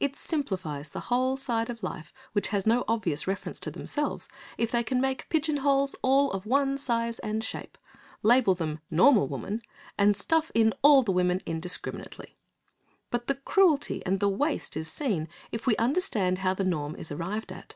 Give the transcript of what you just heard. It simplifies the side of life which has no obvious reference to themselves if they can make pigeon holes all of one size and shape, label them Normal Woman and stuff in all the women indiscriminately. But the cruelty and the waste is seen if we understand how the norm is arrived at.